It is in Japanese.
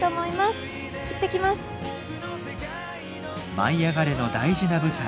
「舞いあがれ！」の大事な舞台